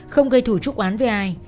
không gây thủ trúc án với ai